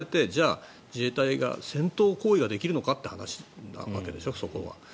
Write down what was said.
だから、その中で行った時に戦闘が行われてじゃあ自衛隊が戦闘行為ができるのかという話なわけでしょ、そこは。